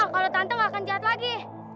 kalau tante gak akan jahat lagi